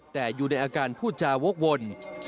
แต่อยู่ในอาการพูดจาวกวน